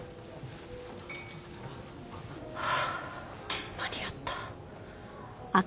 ハァ間に合った。